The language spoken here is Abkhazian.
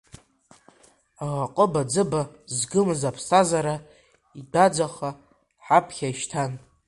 Аҟыба-ӡыба згымыз аԥсҭазаара идәаӡаха ҳаԥхьа ишьҭан.